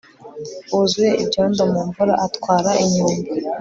wuzuye ibyondo mu mvura, atwara inyumbu